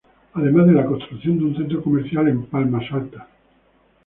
Además de la construcción de un centro comercial en Palmas Altas.